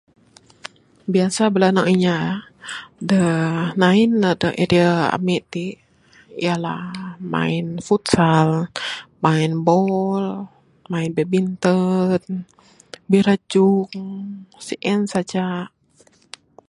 Biasa bala anak inya da nain ne da area ami ti ialah main futsal, main bol, main badminton, birajung. Sien saja.